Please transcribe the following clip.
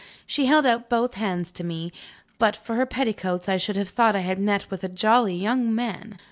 She held out both hands to me. But for her petticoats, I should have thought I had met with a jolly young man.